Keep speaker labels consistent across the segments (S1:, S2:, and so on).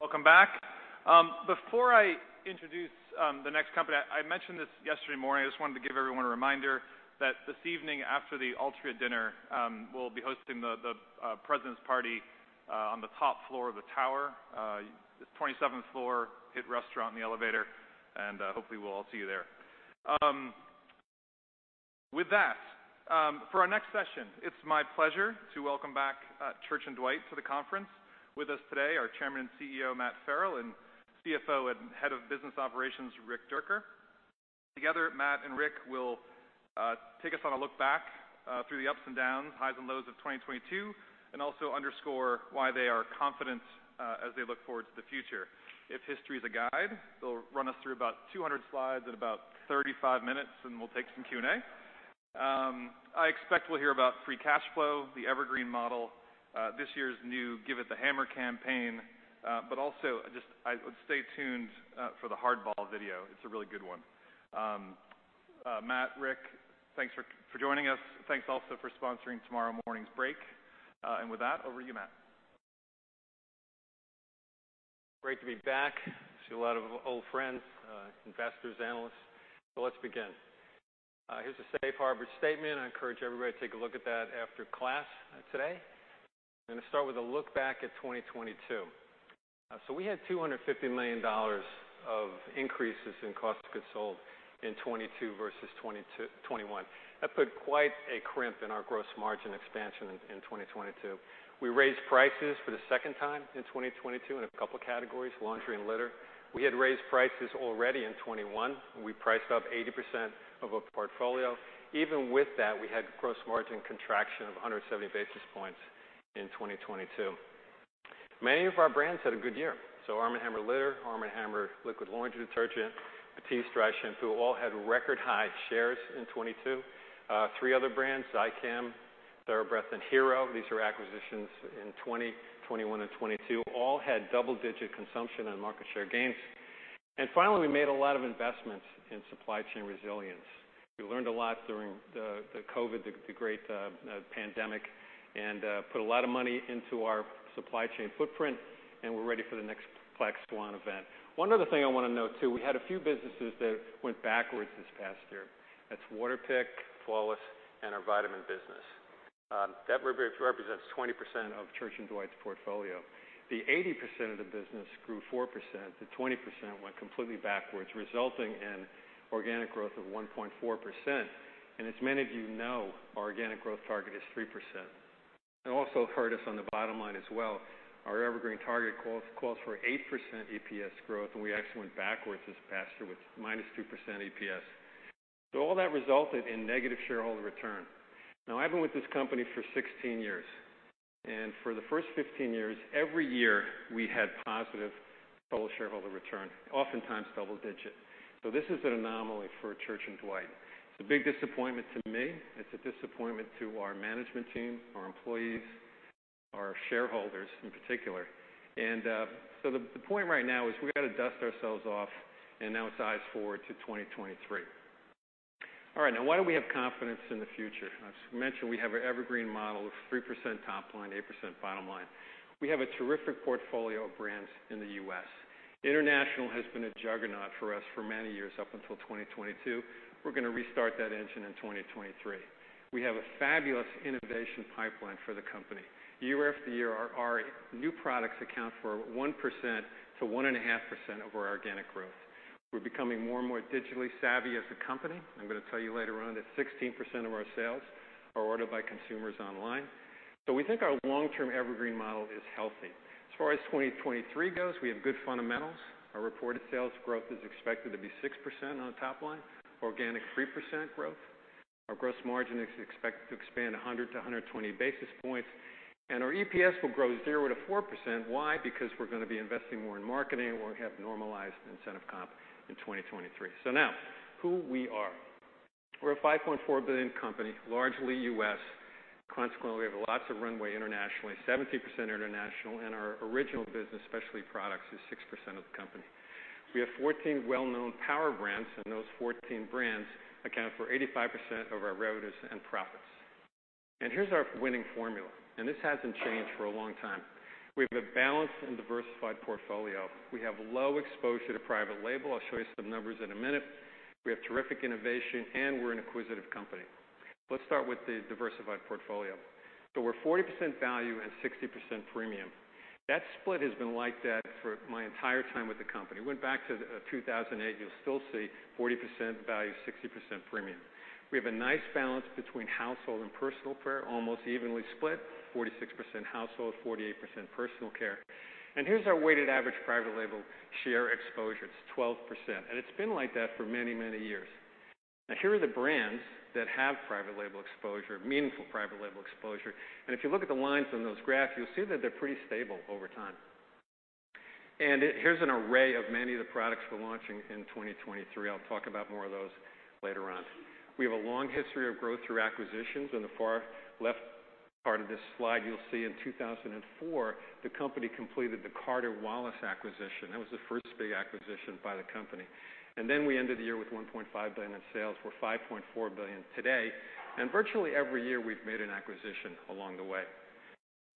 S1: Welcome back. Before I introduce the next company, I mentioned this yesterday morning. I just wanted to give everyone a reminder that this evening after the Altria dinner, we'll be hosting the president's party on the top floor of the tower. It's 27th floor. Hit restaurant in the elevator, and hopefully we'll all see you there. With that, for our next session, it's my pleasure to welcome back Church & Dwight to the conference. With us today, our Chairman and CEO, Matt Farrell, and CFO and Head of Business Operations, Rick Dierker. Together, Matt and Rick will take us on a look back through the ups and downs, highs and lows of 2022, and also underscore why they are confident as they look forward to the future. If history is a guide, they'll run us through about 200 slides in about 35 minutes. We'll take some Q&A. I expect we'll hear about free cash flow, the Evergreen Model, this year's new Give It The Hammer campaign. Also, stay tuned for the Hardball video. It's a really good one. Matt, Rick, thanks for joining us. Thanks also for sponsoring tomorrow morning's break. With that, over to you, Matt.
S2: Great to be back. I see a lot of old friends, investors, analysts. Let's begin. Here's a safe harbor statement. I encourage everybody to take a look at that after class today. I'm gonna start with a look back at 2022. We had $250 million of increases in cost of goods sold in 2022 versus 2021. That put quite a crimp in our gross margin expansion in 2022. We raised prices for the second time in 2022 in a couple of categories, laundry and litter. We had raised prices already in 2021. We priced up 80% of our portfolio. Even with that, we had gross margin contraction of 170 basis points in 2022. Many of our brands had a good year. Arm & Hammer Litter, Arm & Hammer Liquid Laundry Detergent, Batiste Dry Shampoo all had record high shares in 2022. Three other brands, Zicam, TheraBreath, and Hero, these were acquisitions in 2020, 2021, and 2022, all had double-digit consumption and market share gains. Finally, we made a lot of investments in supply chain resilience. We learned a lot during the great pandemic, and put a lot of money into our supply chain footprint, and we're ready for the next Black Swan event. One other thing I want to note too, we had a few businesses that went backwards this past year. That's Waterpik, Flawless, and our vitamin business. That re-represents 20% of Church & Dwight's portfolio. The 80% of the business grew 4%. The 20% went completely backwards, resulting in organic growth of 1.4%. As many of you know, our organic growth target is 3%. It also hurt us on the bottom line as well. Our Evergreen target calls for 8% EPS growth, and we actually went backwards this past year with -2% EPS. All that resulted in negative shareholder return. I've been with this company for 16 years, and for the first 15 years, every year, we had positive total shareholder return, oftentimes double-digit. This is an anomaly for Church & Dwight. It's a big disappointment to me. It's a disappointment to our management team, our employees, our shareholders in particular. The point right now is we gotta dust ourselves off and now it's eyes forward to 2023. Why do we have confidence in the future? As mentioned, we have our Evergreen Model of 3% top line, 8% bottom line. We have a terrific portfolio of brands in the U.S. International has been a juggernaut for us for many years up until 2022. We're gonna restart that engine in 2023. We have a fabulous innovation pipeline for the company. Year after year, our new products account for 1%-1.5% of our organic growth. We're becoming more and more digitally savvy as a company. I'm gonna tell you later on that 16% of our sales are ordered by consumers online. We think our long-term Evergreen Model is healthy. As far as 2023 goes, we have good fundamentals. Our reported sales growth is expected to be 6% on top line, organic 3% growth. Our gross margin is expected to expand 100-120 basis points, and our EPS will grow 0%-4%. Why? Because we're gonna be investing more in marketing, and we'll have normalized incentive comp in 2023. Now, who we are. We're a $5.4 billion company, largely U.S. Consequently, we have lots of runway internationally, 70% international, and our original business Specialty Products is 6% of the company. We have 14 well-known power brands, and those 14 brands account for 85% of our revenues and profits. Here's our winning formula, and this hasn't changed for a long time. We have a balanced and diversified portfolio. We have low exposure to private label. I'll show you some numbers in a minute. We have terrific innovation, we're an inquisitive company. Let's start with the diversified portfolio. We're 40% value and 60% premium. That split has been like that for my entire time with the company. Went back to 2008, you'll still see 40% value, 60% premium. We have a nice balance between household and personal care, almost evenly split, 46% household, 48% personal care. Here's our weighted average private label share exposure. It's 12%, and it's been like that for many, many years. Now, here are the brands that have private label exposure, meaningful private label exposure. If you look at the lines on those graphs, you'll see that they're pretty stable over time. Here's an array of many of the products we're launching in 2023. I'll talk about more of those later on. We have a long history of growth through acquisitions. In the far left part of this slide, you'll see in 2004, the company completed the Carter-Wallace acquisition. That was the first big acquisition by the company. Then we ended the year with $1.5 billion in sales. We're $5.4 billion today. Virtually every year, we've made an acquisition along the way.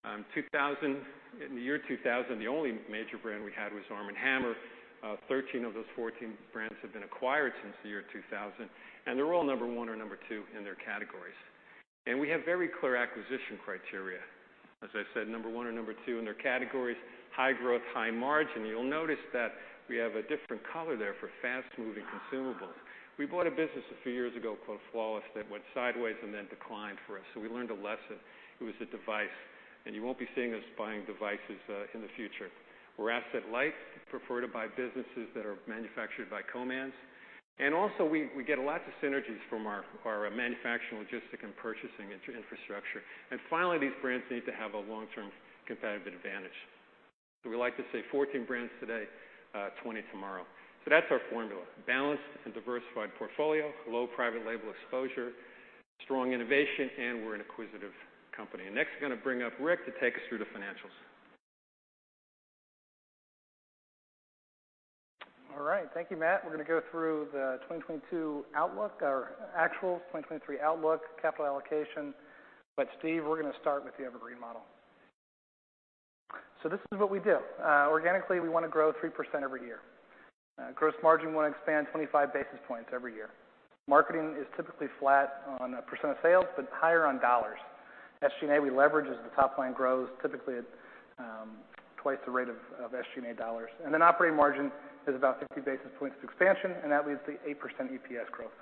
S2: In the year 2000, the only major brand we had was ARM & HAMMER. 13 of those 14 brands have been acquired since the year 2000, and they're all number one or number two in their categories. We have very clear acquisition criteria. As I said, number one or number two in their categories, high growth, high margin. You'll notice that we have a different color there for fast-moving consumables. We bought a business a few years ago called Flawless that went sideways and then declined for us. We learned a lesson. It was a device. You won't be seeing us buying devices in the future. We're asset light, prefer to buy businesses that are manufactured by co-mans. Also, we get lots of synergies from our manufacturing, logistic, and purchasing infrastructure. Finally, these brands need to have a long-term competitive advantage. We like to say 14 brands today, 20 tomorrow. That's our formula: balanced and diversified portfolio, low private label exposure, strong innovation, and we're an acquisitive company. Next, gonna bring up Rick to take us through the financials.
S3: All right. Thank you, Matt. We're gonna go through the 2022 outlook, our actual 2023 outlook, capital allocation. Steve, we're gonna start with the Evergreen Model. This is what we do. Organically, we wanna grow 3% every year. Gross margin wanna expand 25 basis points every year. Marketing is typically flat on a percent of sales, but higher on dollars. SG&A, we leverage as the top line grows, typically at twice the rate of SG&A dollars. Operating margin is about 50 basis points of expansion, and that leads to 8% EPS growth.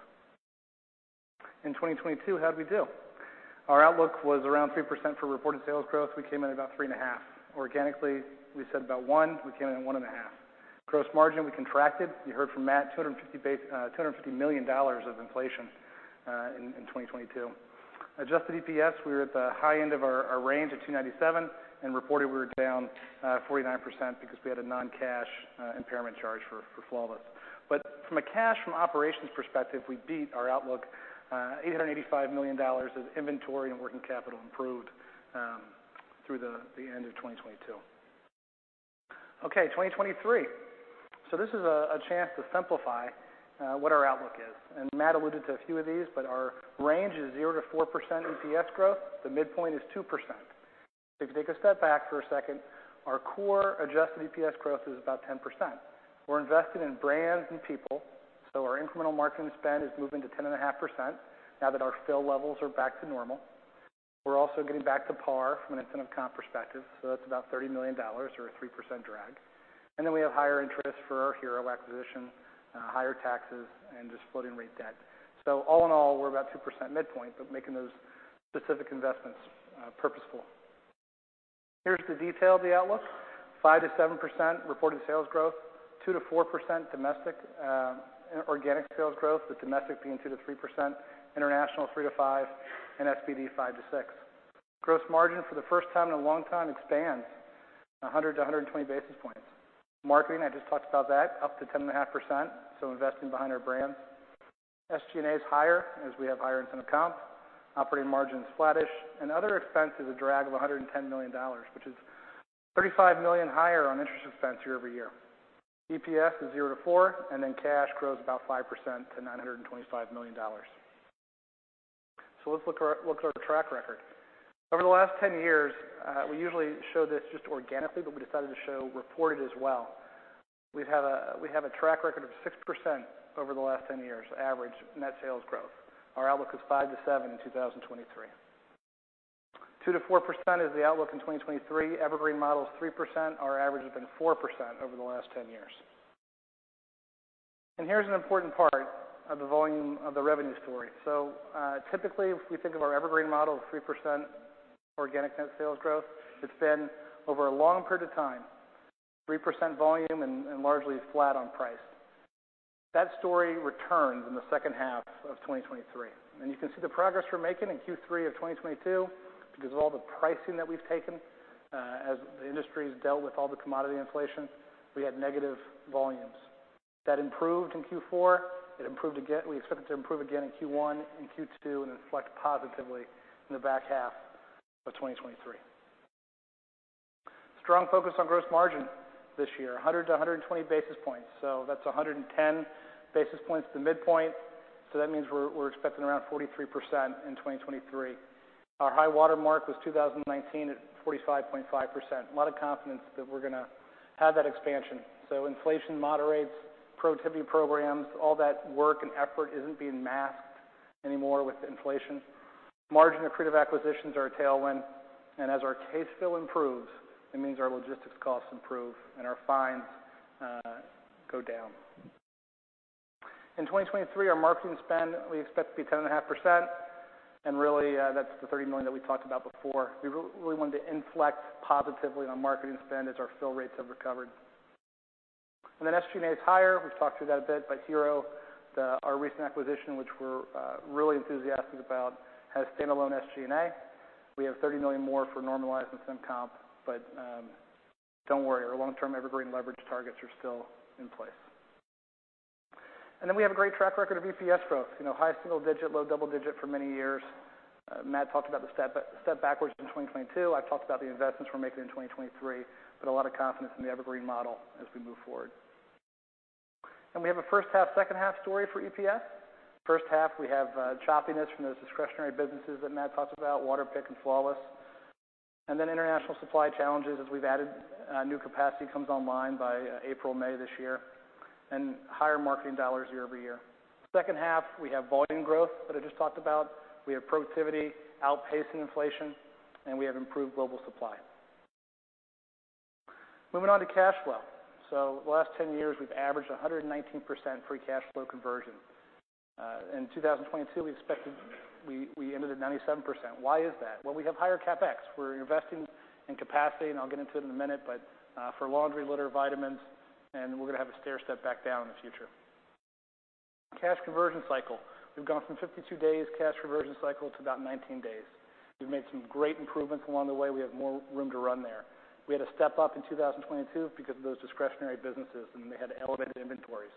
S3: In 2022, how'd we do? Our outlook was around 3% for reported sales growth. We came in about 3.5%. Organically, we said about 1%, we came in 1.5%. Gross margin, we contracted. You heard from Matt, $250 million of inflation in 2022. Adjusted EPS, we were at the high end of our range at $2.97, and reported we were down 49% because we had a non-cash impairment charge for Flawless. From a cash from operations perspective, we beat our outlook, $885 million as inventory and working capital improved through the end of 2022. 2023. This is a chance to simplify what our outlook is. Matt alluded to a few of these, but our range is 0%-4% EPS growth. The midpoint is 2%. If you take a step back for a second, our core adjusted EPS growth is about 10%. We're investing in brands and people, so our incremental marketing spend is moving to 10.5% now that our fill levels are back to normal. We're also getting back to par from an incentive comp perspective, so that's about $30 million or a 3% drag. We have higher interest for our Hero acquisition, higher taxes, and just floating rate debt. All in all, we're about 2% midpoint, but making those specific investments purposeful. Here's the detail of the outlook. 5%-7% reported sales growth, 2%-4% domestic organic sales growth, with domestic being 2%-3%, international 3%-5%, and SPD 5%-6%. Gross margin for the first time in a long time expands 100 basis points-120 basis points. Marketing, I just talked about that, up to 10.5%, so investing behind our brand. SG&A is higher as we have higher incentive comp. Operating margin is flattish, and other expense is a drag of $110 million, which is $35 million higher on interest expense year-over-year. EPS is 0%-4%, and then cash grows about 5% to $925 million. Let's look at our track record. Over the last 10 years, we usually show this just organically, but we decided to show reported as well. We have a track record of 6% over the last 10 years average net sales growth. Our outlook is 5%-7% in 2023. 2%-4% is the outlook in 2023. Evergreen Model is 3%. Our average has been 4% over the last 10 years. Here's an important part of the volume of the revenue story. Typically, if we think of our Evergreen Model of 3% organic net sales growth, it's been over a long period of time, 3% volume and largely flat on price. That story returns in the second half of 2023. You can see the progress we're making in Q3 of 2022 because of all the pricing that we've taken, as the industry's dealt with all the commodity inflation, we had negative volumes. That improved in Q4. It improved, we expect it to improve again in Q1 and Q2, and inflect positively in the back half of 2023. Strong focus on gross margin this year, 100 basis points-120 basis points. That's 110 basis points to midpoint, so that means we're expecting around 43% in 2023. Our high water mark was 2019 at 45.5%. A lot of confidence that we're gonna have that expansion. Inflation moderates, productivity programs, all that work and effort isn't being masked anymore with inflation. Margin accretive acquisitions are a tailwind, as our case fill improves, it means our logistics costs improve and our fines go down. In 2023, our marketing spend we expect to be 10.5%, and really, that's the $30 million that we talked about before. We really wanted to inflect positively on marketing spend as our fill rates have recovered. SG&A is higher. We've talked through that a bit. Hero, our recent acquisition, which we're really enthusiastic about, has standalone SG&A. We have $30 million more for normalized incentive comp. Don't worry, our long-term Evergreen leverage targets are still in place. We have a great track record of EPS growth, you know, high single-digit, low double-digit for many years. Matt talked about the step backwards in 2022. I've talked about the investments we're making in 2023. A lot of confidence in the Evergreen model as we move forward. We have a first half, second half story for EPS. First half, we have choppiness from those discretionary businesses that Matt talked about, Waterpik and Flawless. International supply challenges as we've added new capacity comes online by April, May this year, and higher marketing dollars year-over-year. Second half, we have volume growth that I just talked about. We have productivity outpacing inflation, and we have improved global supply. Moving on to cash flow. The last 10 years, we've averaged 119% free cash flow conversion. In 2022, we ended at 97%. Why is that? Well, we have higher CapEx. We're investing in capacity, and I'll get into it in a minute, but for laundry, litter, vitamins, and we're gonna have a stair-step back down in the future. Cash conversion cycle. We've gone from 52 days cash conversion cycle to about 19 days. We've made some great improvements along the way. We have more room to run there. We had a step-up in 2022 because of those discretionary businesses, and they had elevated inventories.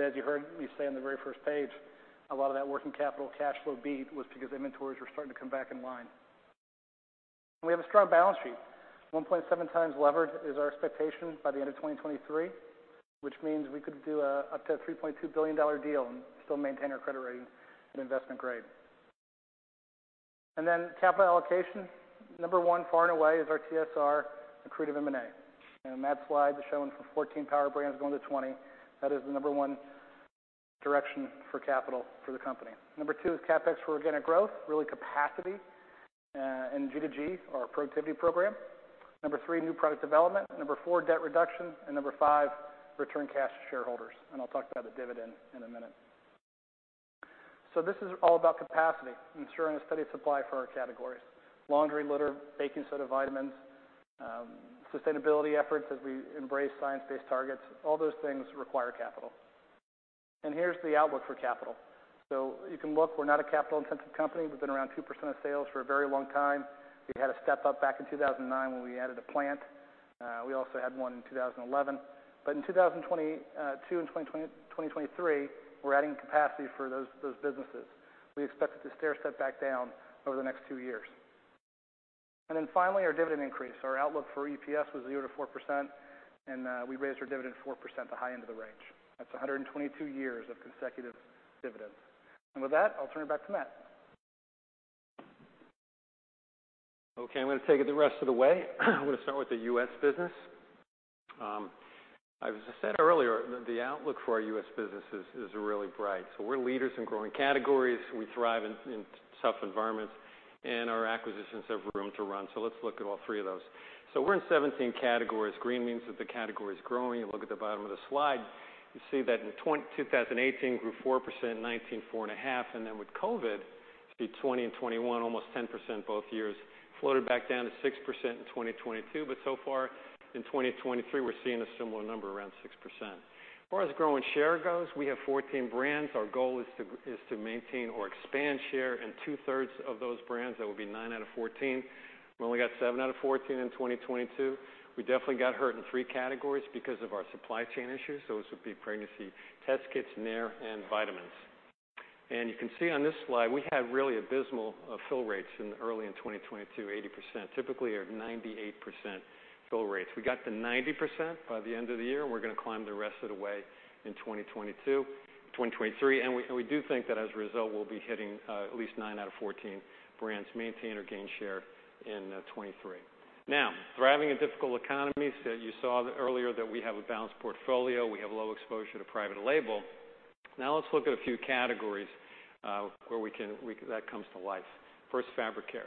S3: As you heard me say on the very first page, a lot of that working capital cash flow beat was because inventories were starting to come back in line. We have a strong balance sheet. 1.7 times levered is our expectation by the end of 2023, which means we could do up to a $3.2 billion deal and still maintain our credit rating at investment grade. Capital allocation. Number one, far and away, is our TSR accretive M&A. In that slide shown from 14 power brands going to 20, that is the Number one direction for capital for the company. Number two is CapEx for organic growth, really capacity, and G2G, our productivity program. Number three, new product development. Number four, debt reduction. Number five, return cash to shareholders, and I'll talk about the dividend in a minute. This is all about capacity, ensuring a steady supply for our categories. Laundry, litter, baking soda, vitamins, sustainability efforts as we embrace science-based targets, all those things require capital. Here's the outlook for capital. You can look, we're not a capital-intensive company. We've been around 2% of sales for a very long time. We had a step-up back in 2009 when we added a plant. We also had one in 2011. In 2022 and 2023, we're adding capacity for those businesses. We expect it to stair-step back down over the next two years. Finally, our dividend increase. Our outlook for EPS was 0%-4%, we raised our dividend 4%, the high end of the range. That's 122 years of consecutive dividends. With that, I'll turn it back to Matt.
S2: Okay, I'm gonna take it the rest of the way. I'm gonna start with the U.S. business. As I said earlier, the outlook for our U.S. business is really bright. We're leaders in growing categories. We thrive in tough environments, and our acquisitions have room to run. Let's look at all three of those. We're in 17 categories. Green means that the category is growing. You look at the bottom of the slide, you see that in 2018 grew 4%, 2019, 4.5%. With COVID, you see 2020 and 2021, almost 10% both years. Floated back down to 6% in 2022. So far in 2023, we're seeing a similar number, around 6%. As far as growing share goes, we have 14 brands. Our goal is to maintain or expand share in two-thirds of those brands. That would be nine out of 14. We only got seven out of 14 in 2022. We definitely got hurt in three categories because of our supply chain issues. Those would be pregnancy test kits, Nair, and vitamins. You can see on this slide, we had really abysmal fill rates in early in 2022, 80%. Typically, they're 98% fill rates. We got to 90% by the end of the year, we're gonna climb the rest of the way in 2023. We do think that as a result, we'll be hitting at least nine out of 14 brands, maintain or gain share in 2023. Now, thriving in difficult economies. You saw earlier that we have a balanced portfolio. We have low exposure to private label. Let's look at a few categories where that comes to life. First, fabric care.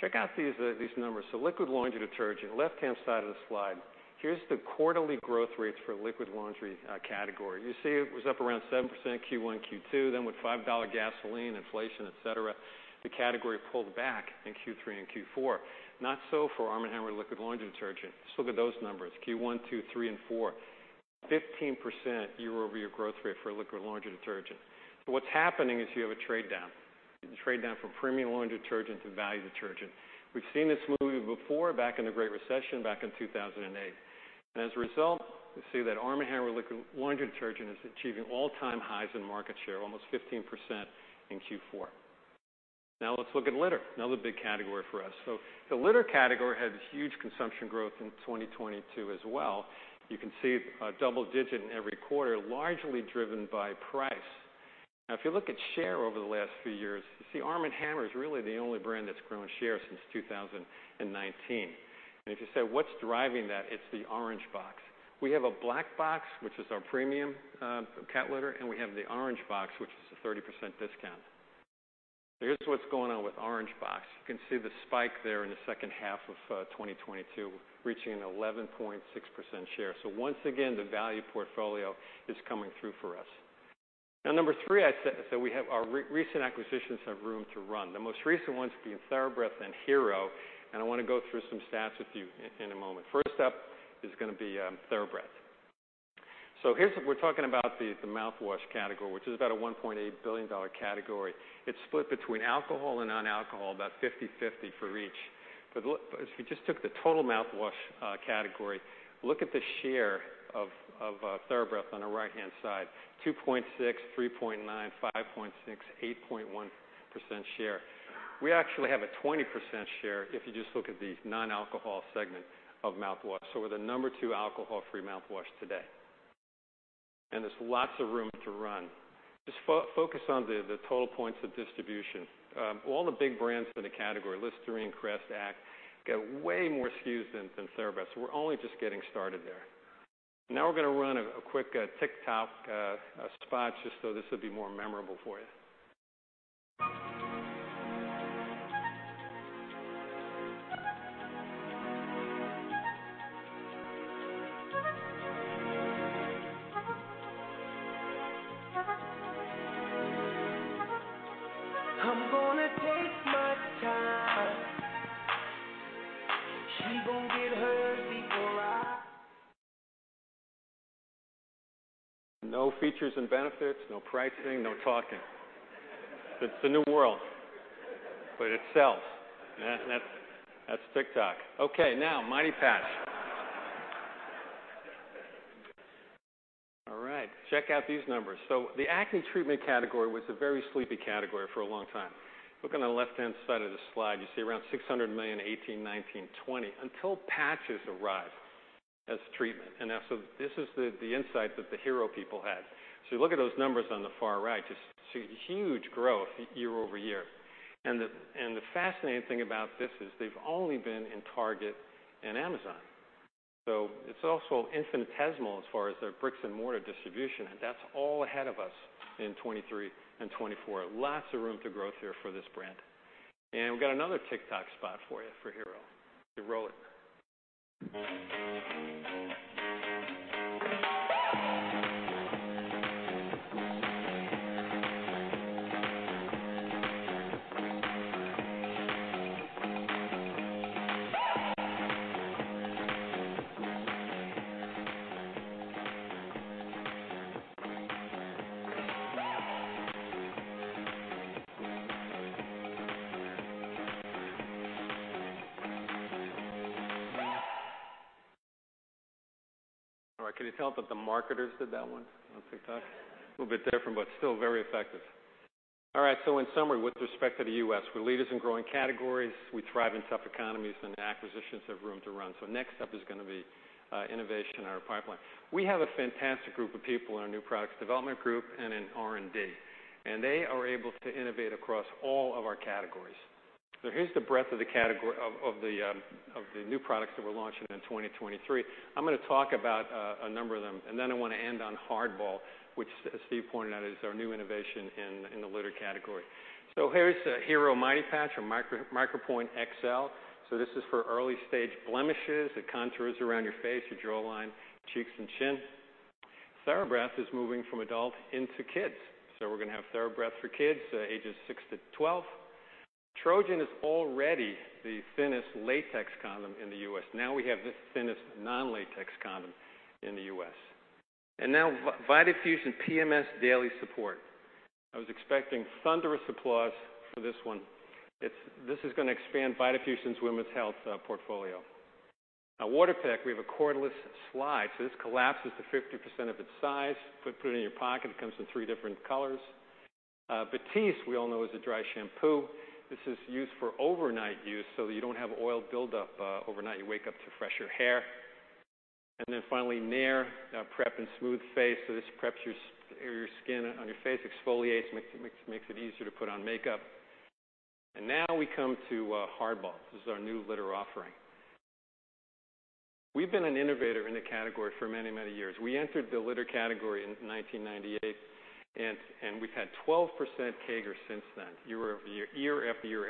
S2: Check out these numbers. Liquid laundry detergent, left-hand side of the slide. Here's the quarterly growth rates for liquid laundry category. You see it was up around 7% Q1, Q2. With $5 gasoline, inflation, et cetera, the category pulled back in Q3 and Q4. Not so for ARM & HAMMER Liquid Laundry Detergent. Just look at those numbers. Q1, Q2, Q3, and Q4, 15% year-over-year growth rate for liquid laundry detergent. What's happening is you have a trade down, a trade down from premium laundry detergent to value detergent. We've seen this movie before back in the Great Recession, back in 2008. As a result, you see that ARM & HAMMER Liquid Laundry Detergent is achieving all-time highs in market share, almost 15% in Q4. Let's look at litter, another big category for us. The litter category had huge consumption growth in 2022 as well. You can see double-digit in every quarter, largely driven by price. If you look at share over the last few years, you see ARM & HAMMER is really the only brand that's grown share since 2019. If you say, what's driving that? It's the Orange Box. We have a Black Box, which is our premium cat litter, and we have the Orange Box, which is a 30% discount. Here's what's going on with Orange Box. You can see the spike there in the second half of 2022, reaching 11.6% share. Once again, the value portfolio is coming through for us. Number three, I said we have our recent acquisitions have room to run. The most recent ones being TheraBreath and Hero, and I wanna go through some stats with you in a moment. First up is gonna be TheraBreath. Here's what we're talking about, the mouthwash category, which is about a $1.8 billion category. It's split between alcohol and non-alcohol, about 50/50 for each. If you just took the total mouthwash category, look at the share of TheraBreath on the right-hand side, 2.6%, 3.9%, 5.6%, 8.1% share. We actually have a 20% share if you just look at the non-alcohol segment of mouthwash. We're the number two alcohol-free mouthwash today. There's lots of room to run. Just focus on the total points of distribution. All the big brands in the category, Listerine, Crest, ACT, get way more SKUs than TheraBreath, so we're only just getting started there. We're gonna run a quick TikTok spot, just so this would be more memorable for you. No features and benefits, no pricing, no talking. It's the new world, but it sells. That's TikTok. Now Mighty Patch. All right, check out these numbers. The acne treatment category was a very sleepy category for a long time. Look on the left-hand side of the slide, you see around $600 million 2018, 2019, 2020, until patches arrived as treatment. This is the insight that the Hero people had. You look at those numbers on the far right, you see huge growth year-over-year. The fascinating thing about this is they've only been in Target and Amazon. It's also infinitesimal as far as their bricks-and-mortar distribution, and that's all ahead of us in 2023 and 2024. Lots of room to growth here for this brand. We've got another TikTok spot for you for Hero. Roll it. All right, can you tell that the marketers did that one on TikTok? Little bit different, but still very effective. All right, in summary, with respect to the U.S., we're leaders in growing categories, we thrive in tough economies, and acquisitions have room to run. Next up is gonna be innovation in our pipeline. We have a fantastic group of people in our new products development group and in R&D. They are able to innovate across all of our categories. Here's the breadth of the new products that we're launching in 2023. I'm gonna talk about a number of them, and then I wanna end on HardBall, which as Steve pointed out, is our new innovation in the litter category. Here's Hero Mighty Patch or Micropoint XL, so this is for early-stage blemishes. It contours around your face, your jawline, cheeks and chin. TheraBreath is moving from adult into kids. We're gonna have TheraBreath for kids, ages six to 12. Trojan is already the thinnest latex condom in the U.S., now we have the thinnest non-latex condom in the U.S. Now Vitafusion PMS Daily Support. I was expecting thunderous applause for this one. It's this is gonna expand Vitafusion's women's health portfolio. Now Waterpik, we have a cordless slide. This collapses to 50% of its size. Put it in your pocket. It comes in three different colors. Batiste, we all know is a dry shampoo. This is used for overnight use, so that you don't have oil buildup overnight, you wake up to fresher hair. Finally Nair, Prep-N-Smooth face. This preps your skin on your face, exfoliates, makes it easier to put on makeup. Now we come to HardBall. This is our new litter offering. We've been an innovator in the category for many years. We entered the litter category in 1998, and we've had 12% CAGR since then. Year-over-year, year after year,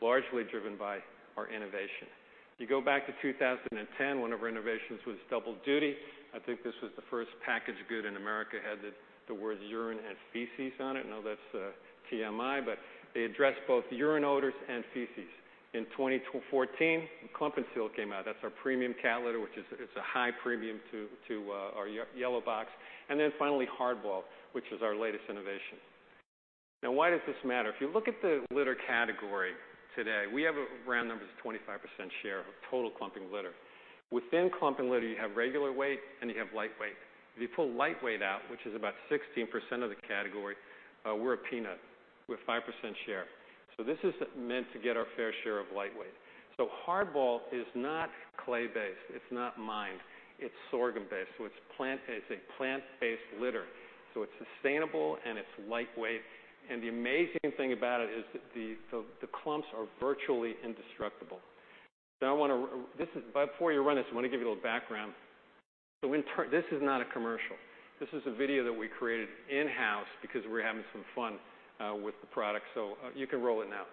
S2: largely driven by our innovation. You go back to 2010, one of our innovations was Double Duty. I think this was the first packaged good in America that had the words urine and feces on it. I know that's TMI, it addressed both urine odors and feces. In 2014, Clump & Seal came out. That's our premium cat litter, which is a high premium to our yellow box. Finally, Hardball, which is our latest innovation. Why does this matter? If you look at the litter category today, we have a round number that's 25% share of total clumping litter. Within clumping litter, you have regular weight and you have lightweight. If you pull lightweight out, which is about 16% of the category, we're a peanut. We're 5% share. This is meant to get our fair share of lightweight. HardBall is not clay-based. It's not mined. It's sorghum-based. It's a plant-based litter, so it's sustainable and it's lightweight. And the amazing thing about it is the, the clumps are virtually indestructible. Now, before you run this, I wanna give you a little background. In turn, this is not a commercial. This is a video that we created in-house because we're having some fun with the product. You can roll it now.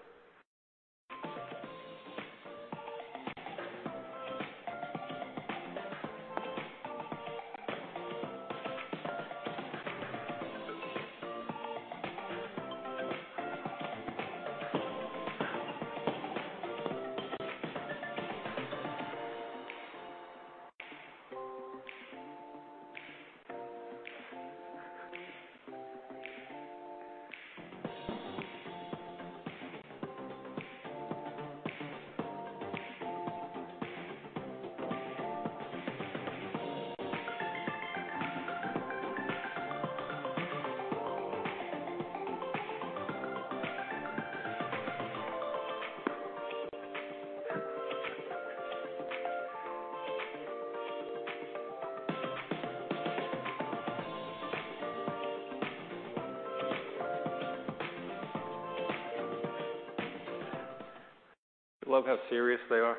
S2: Love how serious they are.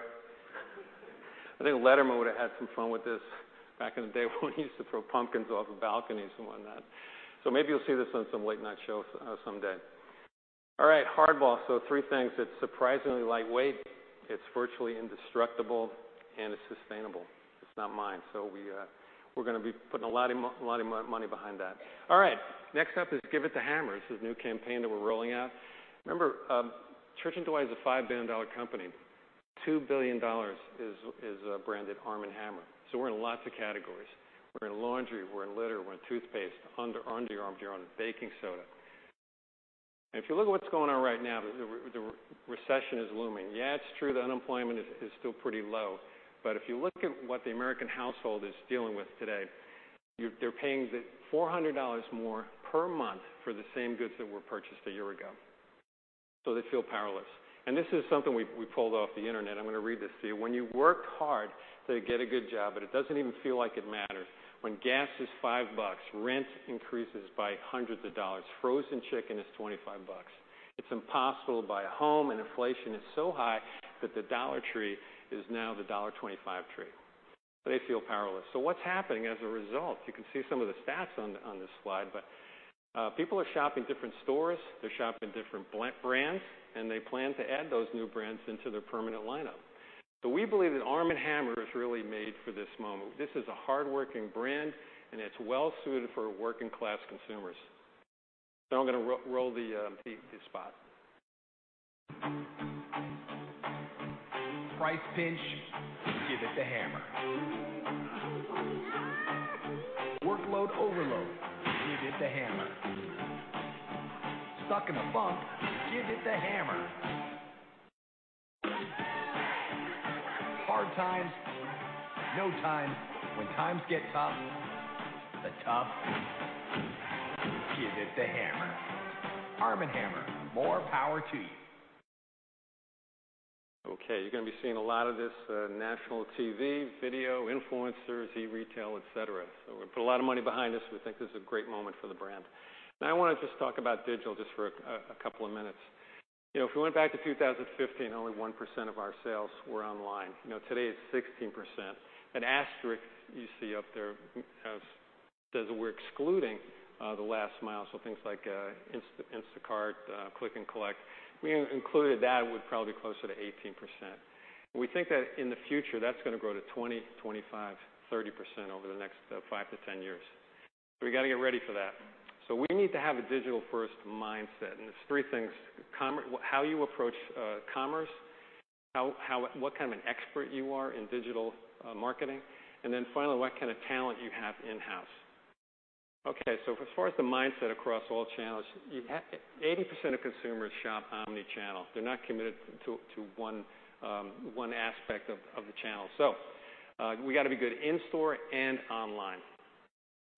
S2: I think Letterman would have had some fun with this back in the day when he used to throw pumpkins off of balconies and whatnot. Maybe you'll see this on some late-night shows someday. HardBall. Three things. It's surprisingly lightweight, it's virtually indestructible, and it's sustainable. It's not mine, we're gonna be putting a lot of money behind that. Next up is Give It The Hammer. This is a new campaign that we're rolling out. Remember, Church & Dwight is a $5 billion company. $2 billion is branded ARM & HAMMER. We're in lots of categories. We're in laundry, we're in litter, we're in toothpaste, underarm deodorant, baking soda. If you look at what's going on right now, the recession is looming. Yeah, it's true that unemployment is still pretty low. If you look at what the American household is dealing with today, they're paying $400 more per month for the same goods that were purchased a year ago, so they feel powerless. This is something we pulled off the Internet. I'm gonna read this to you. "When you work hard to get a good job, but it doesn't even feel like it matters. When gas is $5, rent increases by hundreds of dollars. Frozen chicken is $25. It's impossible to buy a home, and inflation is so high that the Dollar Tree is now the $1.25 Tree." They feel powerless. What's happening as a result? You can see some of the stats on this slide, but people are shopping different stores, they're shopping different brands, and they plan to add those new brands into their permanent lineup. We believe that ARM & HAMMER is really made for this moment. This is a hardworking brand, and it's well suited for working class consumers. I'm gonna roll the spot.
S4: Price pinch? Give it to Hammer. Workload overload? Give it to Hammer. Stuck in a funk? Give it to Hammer. Hard times? No times? When times get tough, the tough give it to Hammer. ARM & HAMMER, more power to you.
S2: Okay, you're gonna be seeing a lot of this, national TV, video, influencers, e-retail, et cetera. We put a lot of money behind this. We think this is a great moment for the brand. I wanna just talk about digital just for a couple of minutes. You know, if we went back to 2015, only 1% of our sales were online. You know, today it's 16%. That asterisk you see up there says that we're excluding, the last mile, so things like, Instacart, click and collect. We included that, it would probably be closer to 18%. We think that in the future, that's gonna grow to 20%, 25%, 30% over the next, five to 10 years. We gotta get ready for that. We need to have a digital-first mindset, and it's three things. How you approach commerce, how what kind of an expert you are in digital marketing, finally, what kind of talent you have in-house. As far as the mindset across all channels, 80% of consumers shop omni-channel. They're not committed to one aspect of the channel. We gotta be good in store and online.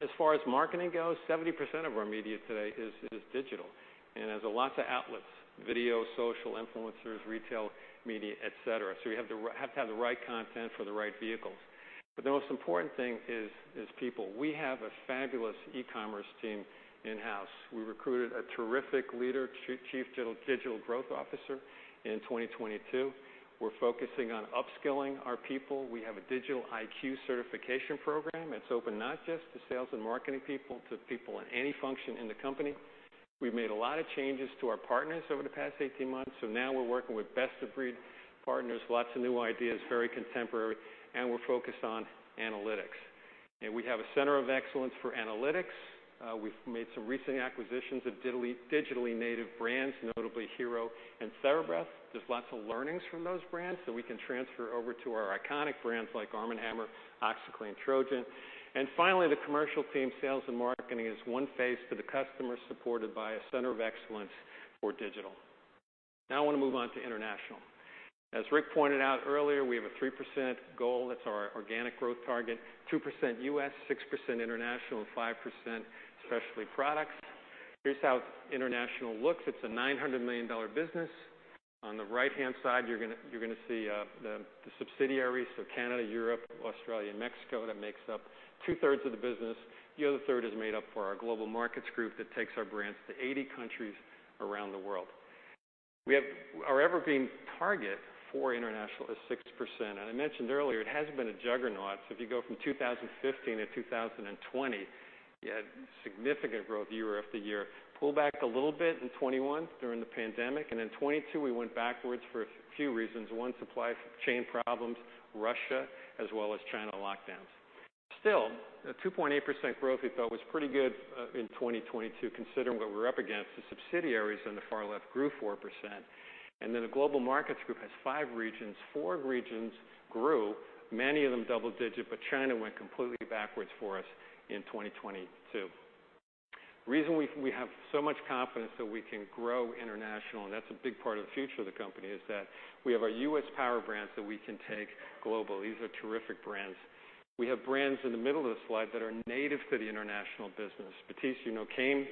S2: As far as marketing goes, 70% of our media today is digital, there's lots of outlets: video, social, influencers, retail, media, et cetera. We have to have the right content for the right vehicles. The most important thing is people. We have a fabulous e-commerce team in-house. We recruited a terrific leader, Chief Digital Growth Officer in 2022. We're focusing on upskilling our people. We have a digital IQ certification program. It's open not just to sales and marketing people, to people in any function in the company. We've made a lot of changes to our partners over the past 18 months, so now we're working with best-of-breed partners, lots of new ideas, very contemporary, and we're focused on analytics. We have a center of excellence for analytics. We've made some recent acquisitions of digitally native brands, notably Hero and TheraBreath. There's lots of learnings from those brands that we can transfer over to our iconic brands like ARM & HAMMER, OxiClean, Trojan. Finally, the commercial team, sales and marketing, is one face to the customer supported by a center of excellence for digital. Now I wanna move on to international. As Rick pointed out earlier, we have a 3% goal. That's our organic growth target. 2% U.S., 6% international, and 5% Specialty Products. Here's how international looks. It's a $900 million business. On the right-hand side, you're gonna see the subsidiaries, so Canada, Europe, Australia, and Mexico. That makes up two-thirds of the business. The other third is made up for our Global Markets Group that takes our brands to 80 countries around the world. Our Evergreen target for international is 6%. I mentioned earlier, it has been a juggernaut. If you go from 2015 to 2020, you had significant growth year after year. Pull back a little bit in 2021 during the pandemic, and in 2022 we went backwards for a few reasons. One, supply chain problems, Russia, as well as China lockdowns. A 2.8% growth we felt was pretty good in 2022 considering what we're up against. The subsidiaries on the far left grew 4%. The Global Markets Group has five regions. Four regions grew, many of them double-digit, China went completely backwards for us in 2022. The reason we have so much confidence that we can grow international, and that's a big part of the future of the company, is that we have our U.S. power brands that we can take global. These are terrific brands. We have brands in the middle of the slide that are native to the international business. Batiste, you know, came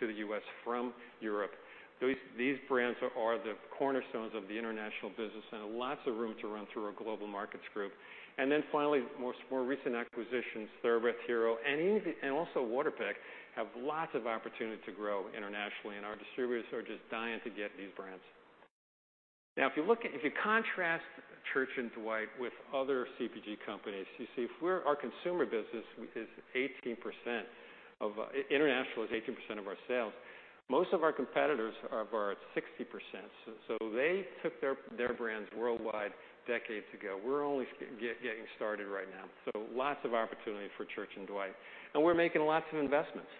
S2: to the U.S. from Europe. These brands are the cornerstones of the international business and lots of room to run through our Global Markets Group. Finally, most more recent acquisitions, TheraBreath, Hero, and also Waterpik, have lots of opportunity to grow internationally, and our distributors are just dying to get these brands. If you contrast Church & Dwight with other CPG companies, International is 18% of our sales. Most of our competitors are about 60%. They took their brands worldwide decades ago. We're only getting started right now. Lots of opportunity for Church & Dwight, and we're making lots of investments.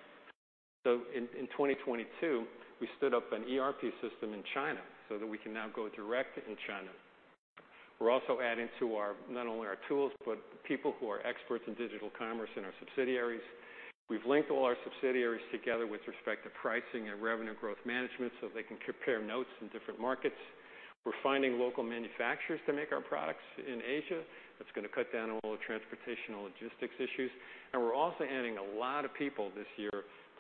S2: In 2022, we stood up an ERP system in China so that we can now go direct in China. We're also adding to our, not only our tools, but people who are experts in digital commerce in our subsidiaries. We've linked all our subsidiaries together with respect to pricing and Revenue Growth Management, they can compare notes in different markets. We're finding local manufacturers to make our products in Asia. That's gonna cut down on all the transportation and logistics issues. We're also adding a lot of people this year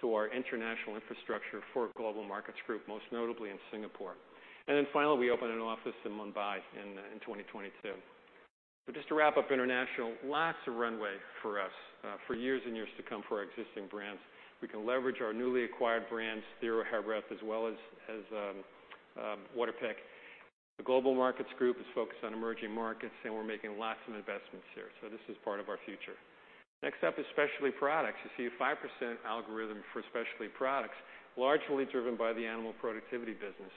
S2: to our international infrastructure for Global Markets Group, most notably in Singapore. Finally, we opened an office in Mumbai in 2022. Just to wrap up international, lots of runway for us for years and years to come for our existing brands. We can leverage our newly acquired brands, Hero, TheraBreath, as well as Waterpik. The Global Markets Group is focused on emerging markets, and we're making lots of investments here, so this is part of our future. Next up is Specialty Products. You see a 5% algorithm for specialty products, largely driven by the animal productivity business.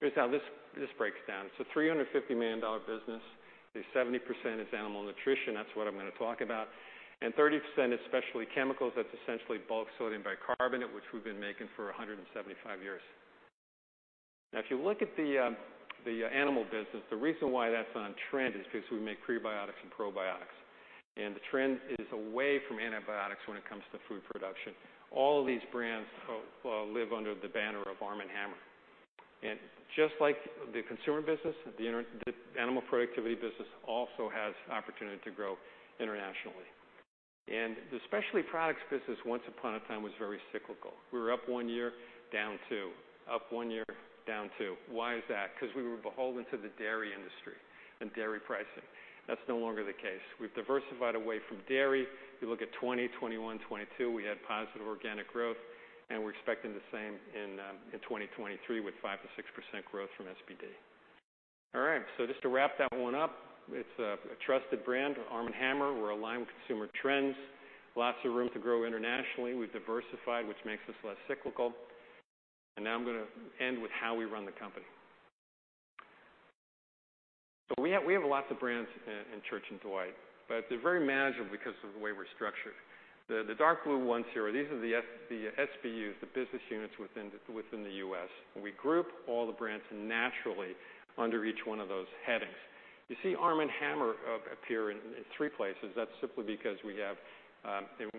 S2: Here's how this breaks down. It's a $350 million business. 70% is animal nutrition. That's what I'm gonna talk about, and 30% is specialty chemicals. That's essentially bulk sodium bicarbonate, which we've been making for 175 years. Now if you look at the animal business, the reason why that's on trend is because we make prebiotics and probiotics, and the trend is away from antibiotics when it comes to food production. All these brands live under the banner of ARM & HAMMER. Just like the consumer business, the animal productivity business also has opportunity to grow internationally. The specialty products business, once upon a time, was very cyclical. We were up one year, down two, up one year, down two. Why is that? 'Cause we were beholden to the dairy industry and dairy pricing. That's no longer the case. We've diversified away from dairy. You look at 2020, 2021, 2022, we had positive organic growth, and we're expecting the same in 2023 with 5%-6% growth from SPD. All right, just to wrap that one up, it's a trusted brand, ARM & HAMMER. We're aligned with consumer trends. Lots of room to grow internationally. We've diversified, which makes us less cyclical. Now I'm gonna end with how we run the company. We have lots of brands in Church & Dwight, but they're very manageable because of the way we're structured. The dark blue ones here, these are the SBUs, the business units within the U.S. We group all the brands naturally under each one of those headings. You see Arm & Hammer appear in three places. That's simply because we have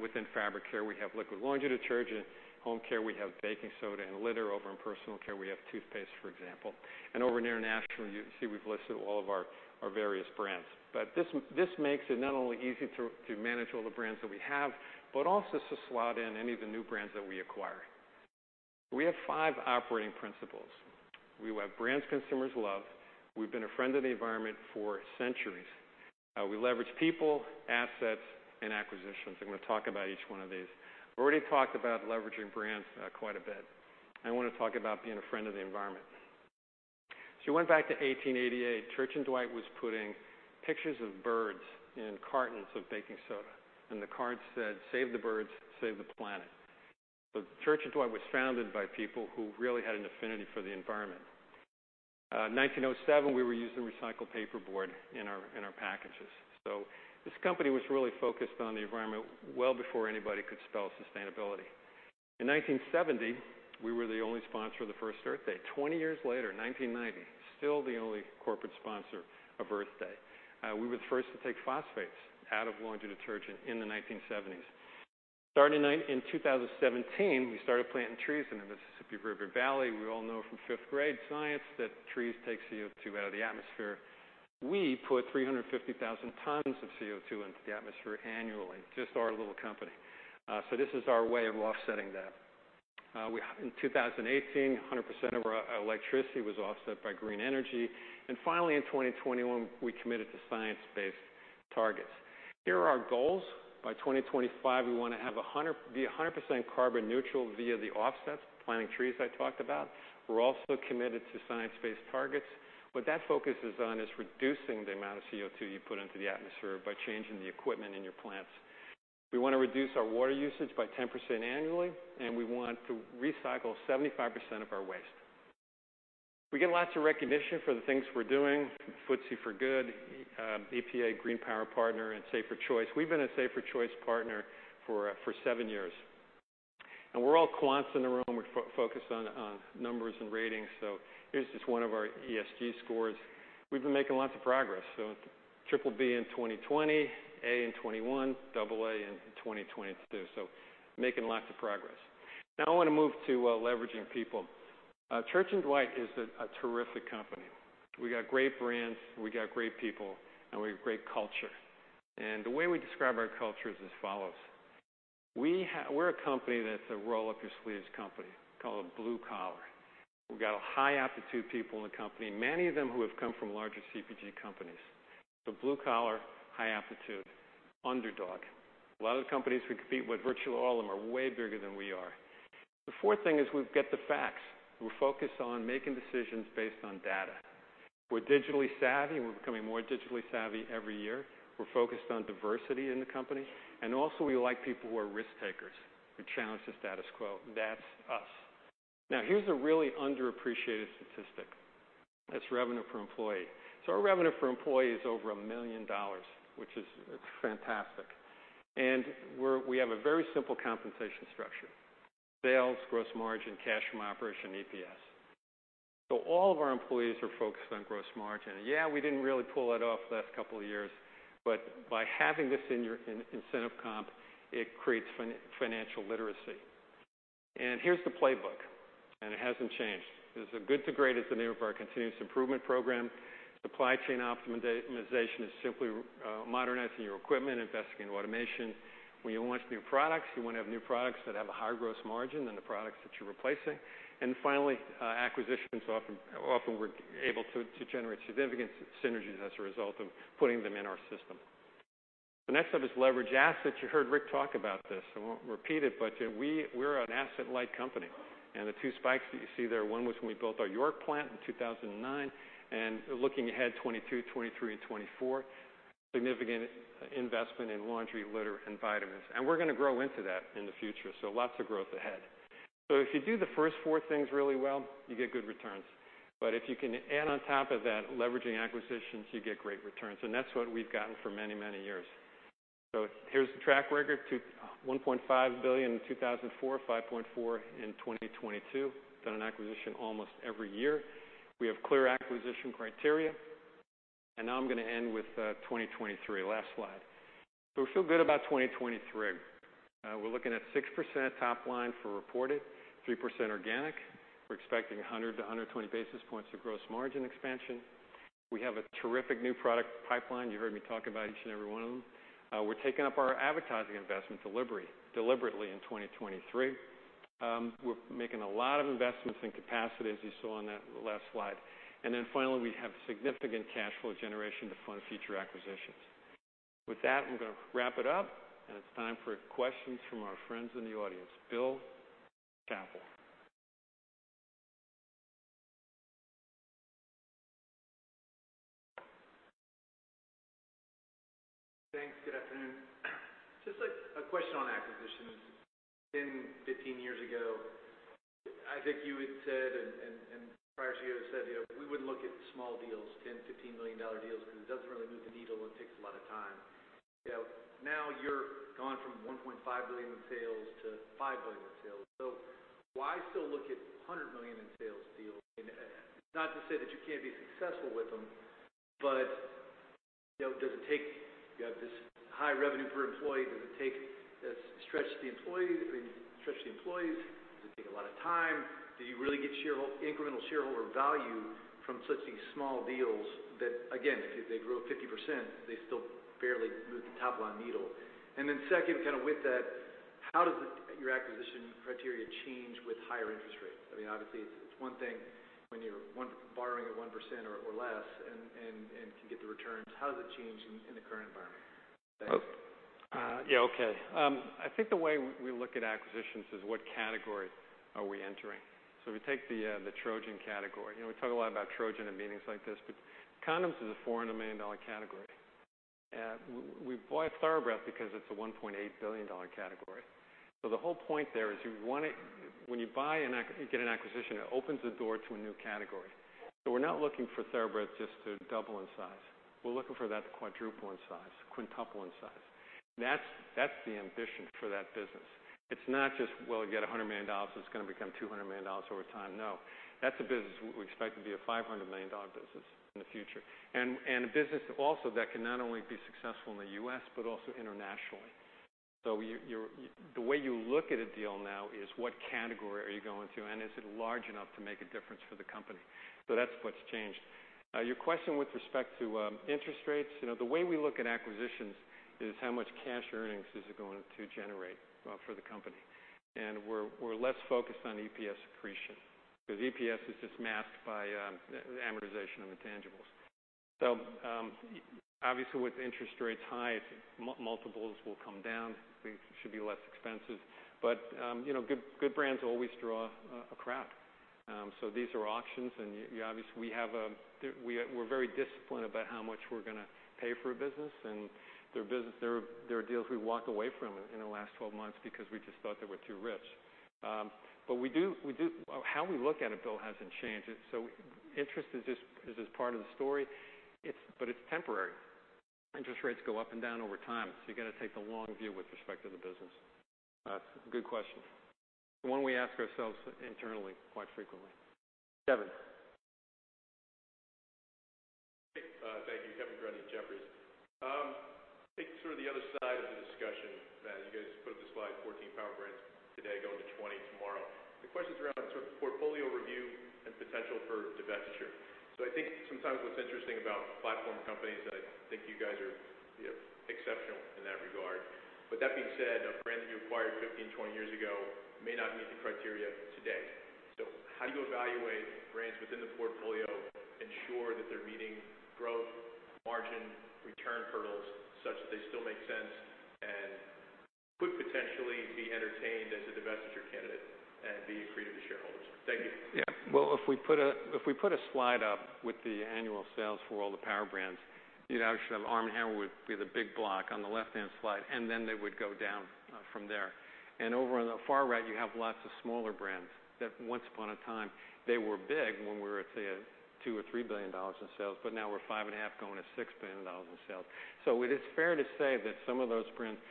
S2: within fabric care, we have liquid laundry detergent. Home care, we have baking soda and litter. Over in personal care, we have toothpaste, for example. Over in international, you see we've listed all of our various brands. This makes it not only easy to manage all the brands that we have, but also to slot in any of the new brands that we acquire. We have five operating principles. We have brands consumers love. We've been a friend of the environment for centuries. We leverage people, assets, and acquisitions. I'm gonna talk about each one of these. I've already talked about leveraging brands, quite a bit. I wanna talk about being a friend of the environment. You went back to 1888, Church & Dwight was putting pictures of birds in cartons of baking soda, and the carton said, "Save the birds, save the planet." Church & Dwight was founded by people who really had an affinity for the environment. 1907, we were using recycled paperboard in our packages. This company was really focused on the environment well before anybody could spell sustainability. In 1970, we were the only sponsor of the first Earth Day. 20 years later, 1990, still the only corporate sponsor of Earth Day. We were the first to take phosphates out of laundry detergent in the 1970s. In 2017, we started planting trees in the Mississippi River Valley. We all know from fifth grade science that trees take CO2 out of the atmosphere. We put 350,000 tons of CO2 into the atmosphere annually, just our little company. This is our way of offsetting that. In 2018, 100% of our electricity was offset by green energy. Finally, in 2021, we committed to science-based targets. Here are our goals. By 2025, we wanna be 100% carbon neutral via the offsets, planting trees I talked about. We're also committed to science-based targets. What that focuses on is reducing the amount of CO2 you put into the atmosphere by changing the equipment in your plants. We wanna reduce our water usage by 10% annually, and we want to recycle 75% of our waste. We get lots of recognition for the things we're doing, FTSE4Good, EPA Green Power Partnership, and Safer Choice. We've been a Safer Choice partner for seven years. We're all quants in the room. We're focused on numbers and ratings. Here's just one of our ESG scores. We've been making lots of progress: BBB in 2020, A in 2021, AA in 2022, making lots of progress. Now I want to move to leveraging people. Church & Dwight is a terrific company. We got great brands, we got great people, and we have great culture. The way we describe our culture is as follows. We're a company that's a roll-up-your-sleeves company, call it blue collar. We've got high aptitude people in the company, many of them who have come from larger CPG companies. Blue collar, high aptitude, underdog. A lot of the companies we compete with, virtually all of them, are way bigger than we are. The fourth thing is we get the facts. We're focused on making decisions based on data. We're digitally savvy, we're becoming more digitally savvy every year. We're focused on diversity in the company, we like people who are risk takers, who challenge the status quo. That's us. Here's a really underappreciated statistic. That's revenue per employee. Our revenue per employee is over $1 million, which is, it's fantastic. We have a very simple compensation structure. Sales, gross margin, cash from operation, EPS. All of our employees are focused on gross margin. Yeah, we didn't really pull it off the last two years, but by having this in your incentive comp, it creates financial literacy. Here's the playbook, and it hasn't changed. This is Good to Great. It's the name of our continuous improvement program. Supply chain optimization is simply modernizing your equipment, investing in automation. When you launch new products, you wanna have new products that have a higher gross margin than the products that you're replacing. Finally, acquisitions, often we're able to generate significant synergies as a result of putting them in our system. The next step is leverage assets. You heard Rick talk about this. I won't repeat it, but we're an asset-light company. The two spikes that you see there, one was when we built our York plant in 2009. Looking ahead, 2022, 2023, and 2024, significant investment in laundry, litter, and vitamins. We're gonna grow into that in the future, lots of growth ahead. If you do the first four things really well, you get good returns. If you can add on top of that leveraging acquisitions, you get great returns, and that's what we've gotten for many, many years. Here's the track record, $1.5 billion in 2004, $5.4 billion in 2022. Done an acquisition almost every year. We have clear acquisition criteria. Now I'm gonna end with 2023. Last slide. We feel good about 2023. We're looking at 6% top line for reported, 3% organic. We're expecting 100basis points-120 basis points of gross margin expansion. We have a terrific new product pipeline. You heard me talk about each and every one of them. We're taking up our advertising investment deliberately in 2023. We're making a lot of investments in capacity, as you saw on that last slide. Finally, we have significant cash flow generation to fund future acquisitions. With that, I'm gonna wrap it up, and it's time for questions from our friends in the audience. Bill Chappell.
S5: Thanks. Good afternoon. Just a question on acquisitions. 10, 15 years ago, I think you had said, and prior to you had said, you know, we wouldn't look at small deals, $10 million-$15 million deals, because it doesn't really move the needle and takes a lot of time. You know, now you're gone from $1.5 billion in sales to $5 billion in sales. Why still look at $100 million in sales deals? Not to say that you can't be successful with them, but, you know, does it take... You have this high revenue per employee. Does it stretch the employee? I mean, stretch the employees? Does it take a lot of time? Do you really get incremental shareholder value from such these small deals that, again, if they grow 50%, they still barely move the top-line needle? Second, kind of with that, how does your acquisition criteria change with higher interest rates? I mean, obviously, it's one thing when you're borrowing at 1% or less and can get the returns. How does it change in the current environment? Thanks.
S2: Yeah, okay. I think the way we look at acquisitions is what category are we entering. If you take the Trojan category, you know, we talk a lot about Trojan in meetings like this, but condoms is a $400 million category. We bought TheraBreath because it's a $1.8 billion category. The whole point there is you want to get an acquisition, it opens the door to a new category. We're not looking for TheraBreath just to double in size. We're looking for that to quadruple in size, quintuple in size. That's the ambition for that business. It's not just, "Well, you got $100 million, so it's gonna become $200 million over time." No. That's a business we expect to be a $500 million business in the future, and a business also that can not only be successful in the U.S., but also internationally. The way you look at a deal now is what category are you going to, and is it large enough to make a difference for the company? That's what's changed. Your question with respect to interest rates, you know, the way we look at acquisitions is how much cash earnings is it going to generate for the company. We're less focused on EPS accretion, because EPS is just masked by the amortization of intangibles. Obviously with interest rates high, multiples will come down. Things should be less expensive. You know, good brands always draw a crowd. These are auctions, and We have, we're very disciplined about how much we're gonna pay for a business, and there are deals we walked away from in the last 12 months because we just thought they were too rich. We do. How we look at it, Bill, hasn't changed. It's. Interest is just part of the story. It's temporary. Interest rates go up and down over time, so you gotta take the long view with respect to the business. Good question. One we ask ourselves internally quite frequently. Kevin.
S6: Thank you. Kevin Grundy, Jefferies. I think sort of the other side of the discussion that you guys put up the slide 14 power brands today going to 20 tomorrow. The question's around sort of portfolio review and potential for divestiture. I think sometimes what's interesting about platform companies, and I think you guys are, you know, exceptional in that regard. That being said, a brand that you acquired 15, 20 years ago may not meet the criteria today. How do you evaluate brands within the portfolio, ensure that they're meeting growth, margin, return hurdles such that they still make sense and could potentially be entertained as a divestiture candidate and be accretive to shareholders? Thank you.
S2: Yeah. Well, if we put a slide up with the annual sales for all the power brands, you'd actually have ARM & HAMMER would be the big block on the left-hand slide, then they would go down from there. Over on the far right, you have lots of smaller brands that once upon a time they were big when we were at, say, at $2 billion or $3 billion in sales, but now we're $5.5 billion, going to $6 billion in sales. It is fair to say that some of those brands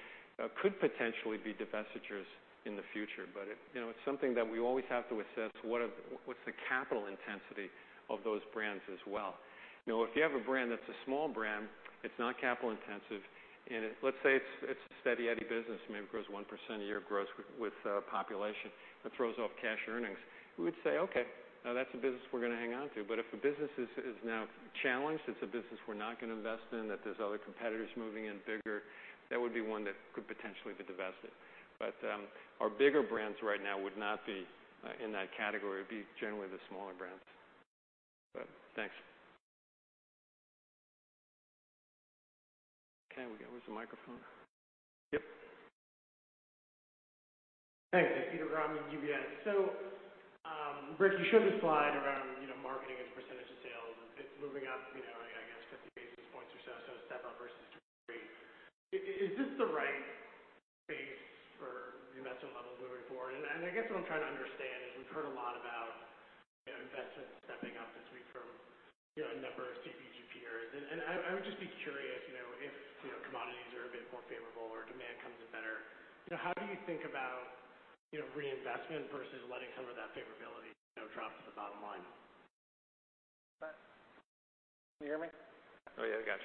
S2: could potentially be divestitures in the future. It, you know, it's something that we always have to assess what's the capital intensity of those brands as well. You know, if you have a brand that's a small brand, it's not capital intensive, let's say it's a steady-eddy business, maybe grows 1% a year, grows with population, but throws off cash earnings. We would say, "Okay, now that's a business we're gonna hang on to." If a business is now challenged, it's a business we're not gonna invest in, that there's other competitors moving in bigger, that would be one that could potentially be divested. Our bigger brands right now would not be in that category. It'd be generally the smaller brands.
S6: Thanks.
S2: Okay, where's the microphone? Yep.
S7: Thanks. Peter Grom, UBS. Rick, you showed the slide around, you know, marketing as a percentage of sales. It's moving up, you know, I guess 50 basis points or so step up versus Is this the right pace for your investment levels moving forward? And I guess what I'm trying to understand is we've heard a lot about, you know, investments stepping up this week from, you know, a number of CPG peers. And I would just be curious, you know, if, you know, commodities are a bit more favorable or demand comes in better. You know, how do you think about, you know, reinvestment versus letting some of that favorability, you know, drop to the bottom line?
S3: Can you hear me?
S2: Oh, yeah. Gotcha.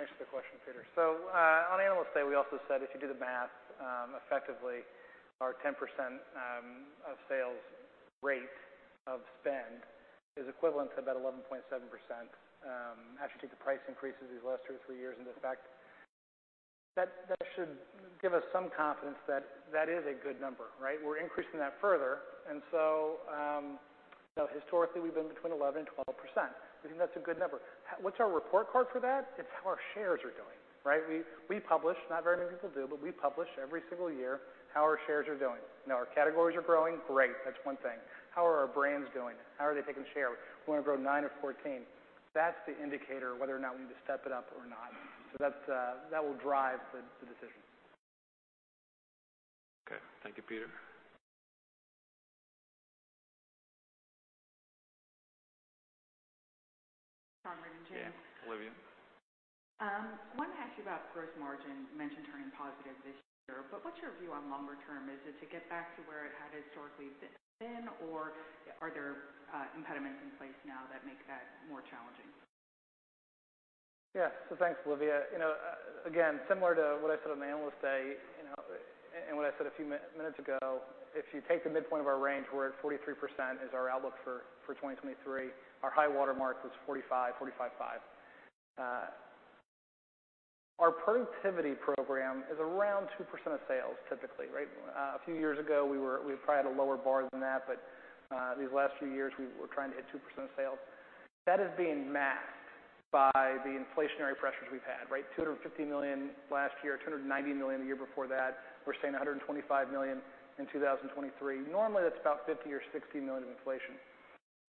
S3: Thanks for the question, Peter. On Analyst Day, we also said if you do the math, effectively our 10% of sales rate of spend is equivalent to about 11.7% after you take the price increases these last two to three years into effect. That should give us some confidence that that is a good number, right? We're increasing that further. You know, historically, we've been between 11% and 12%. We think that's a good number. What's our report card for that? It's how our shares are doing, right? We publish, not very many people do, but we publish every single year how our shares are doing. Our categories are growing, great, that's one thing. How are our brands doing? How are they taking share? We wanna grow nine of 14. That's the indicator whether or not we need to step it up or not. That will drive the decision.
S2: Okay. Thank you, Peter. Yeah. Olivia.
S8: Wanted to ask you about gross margin. You mentioned turning positive this year, but what's your view on longer term? Is it to get back to where it had historically been, or are there impediments in place now that make that more challenging?
S3: Thanks, Olivia. You know, again, similar to what I said on the Analyst Day, you know, and what I said a few minutes ago, if you take the midpoint of our range, we're at 43% is our outlook for 2023. Our high watermark was 45%-45.5%. Our productivity program is around 2% of sales typically, right? A few years ago, we probably had a lower bar than that, but these last few years, we're trying to hit 2% of sales. That is being masked by the inflationary pressures we've had, right? $250 million last year, $290 million the year before that. We're saying $125 million in 2023. Normally, that's about $50 million or $60 million of inflation.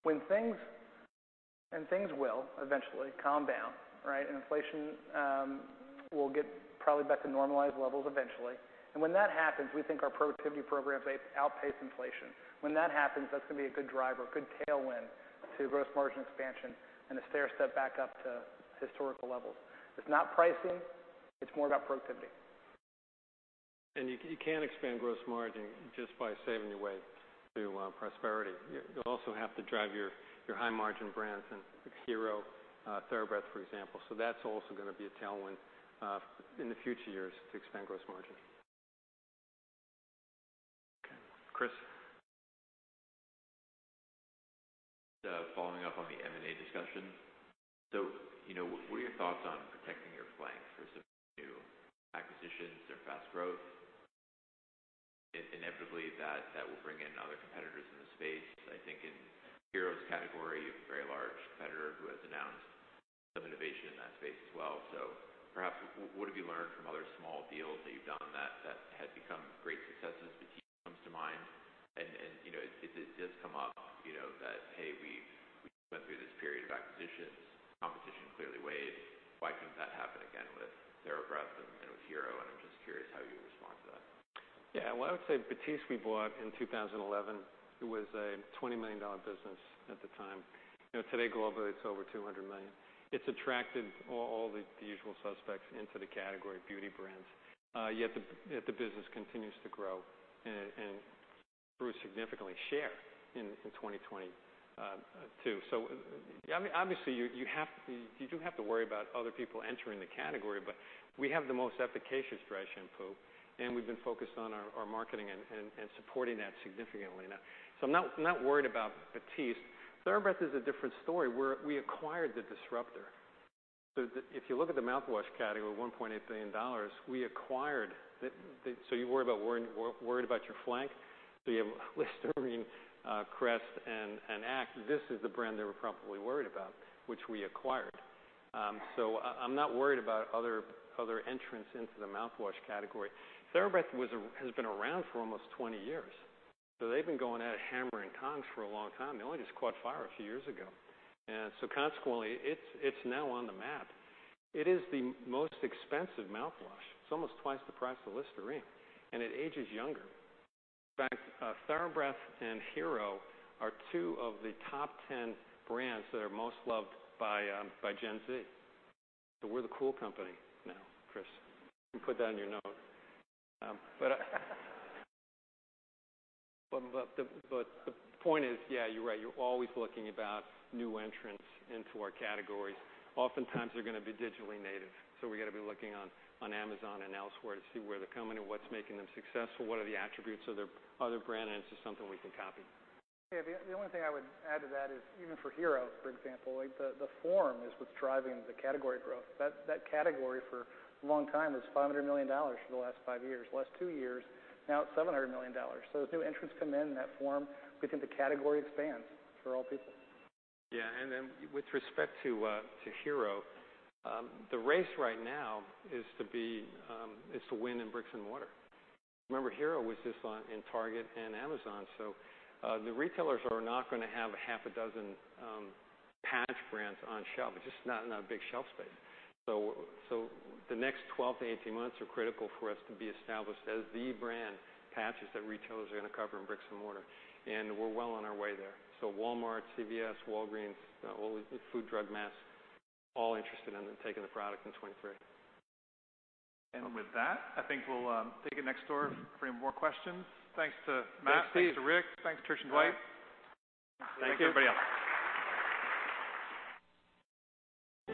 S3: When things will eventually calm down, right? Inflation will get probably back to normalized levels eventually. When that happens, we think our productivity programs, they outpace inflation. When that happens, that's gonna be a good driver, good tailwind to gross margin expansion and a stair step back up to historical levels. It's not pricing, it's more about productivity.
S2: You can't expand gross margin just by saving your way to prosperity. You also have to drive your high margin brands and Hero, TheraBreath, for example. That's also gonna be a tailwind in the future years to expand gross margin. Okay. Chris.
S9: Following up on the M&A discussion. You know, what are your thoughts on protecting your flank versus new acquisitions or fast growth? Inevitably, that will bring in other competitors in the space. I think in Hero's category, you have a very large competitor who has announced some innovation in that space as well. Perhaps what have you learned from other small deals that you've done that had become great successes? Batiste comes to mind. You know, it does come up, you know, that, hey, we've, we went through this period of acquisitions, competition clearly waved. Why couldn't that happen again with TheraBreath and with Hero? I'm just curious how you would respond to that.
S2: Well, I would say Batiste we bought in 2011. It was a $20 million business at the time. You know, today globally, it's over $200 million. It's attracted all the usual suspects into the category of beauty brands. Yet the business continues to grow, Grew significantly share in 2022. I mean, obviously you do have to worry about other people entering the category, but we have the most efficacious dry shampoo, and we've been focused on our marketing and supporting that significantly now. I'm not worried about Batiste. TheraBreath is a different story, where we acquired the disruptor. If you look at the mouthwash category with $1.8 billion, we acquired the... You worry about worrying about your flank. You have Listerine, Crest, and ACT. This is the brand they were probably worried about, which we acquired. I'm not worried about other entrants into the mouthwash category. TheraBreath has been around for almost 20 years, so they've been going at it hammer and tongs for a long time. They only just caught fire a few years ago. Consequently, it's now on the map. It is the most expensive mouthwash. It's almost twice the price of Listerine, and it ages younger. In fact, TheraBreath and Hero are two of the top 10 brands that are most loved by Gen Z. We're the cool company now, Chris. You can put that in your notes. The point is, yeah, you're right. You're always looking about new entrants into our categories. Oftentimes, they're gonna be digitally native, so we gotta be looking on Amazon and elsewhere to see where they're coming and what's making them successful, what are the attributes of their other brand, and it's just something we can copy.
S3: Yeah. The only thing I would add to that is even for Hero, for example, like, the form is what's driving the category growth. That category for a long time was $500 million for the last five years. Last two years, now it's $700 million. As new entrants come in that form, we think the category expands for all people.
S2: Yeah. Then with respect to Hero, the race right now is to be to win in bricks and mortar. Remember, Hero was just in Target and Amazon, the retailers are not gonna have a half a dozen patch brands on shelf. It's just not a big shelf space. The next 12 to 18 months are critical for us to be established as the brand patches that retailers are gonna cover in bricks and mortar, we're well on our way there. Walmart, CVS, Walgreens, all the Food, Drug, Mass, all interested in taking the product in 2023.
S1: With that, I think we'll take it next door for any more questions. Thanks to Matt.
S2: Thanks, Steve.
S1: Thanks to Rick. Thanks to Trish and Dwight.
S2: All right.
S1: Thank you everybody else.